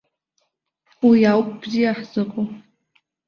Уи ауп бзиа ҳзыҟоу!